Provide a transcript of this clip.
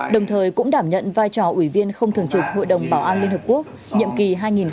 đồng thời cũng đảm nhận vai trò ủy viên không thường trực hội đồng bảo an liên hợp quốc nhiệm kỳ hai nghìn hai mươi hai nghìn hai mươi một